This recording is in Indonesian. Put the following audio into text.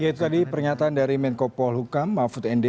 ya itu tadi pernyataan dari menko polhukam mahfud md